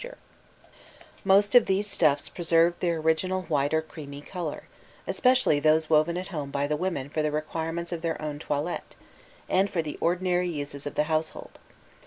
jpg Egyptian Manuscript] Most of these stuffs preserved their original white or creamy colour especially those woven at home by the women for the requirements of their own toilet, and for the ordinary uses of the household.